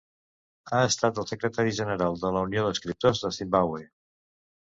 Ha estat el secretari general de la Unió d'Escriptors de Zimbabwe.